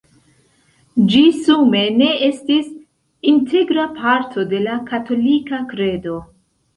Ĝi sume ne estis "integra parto de la katolika kredo".